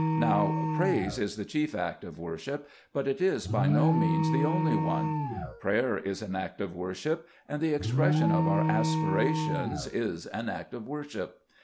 Now, praise is the chief act of worship, but it is by no means the only one. Prayer is an act of worship, and the expression of our aspirations is an act of worship.